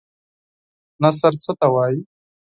نثر څه ته وايي؟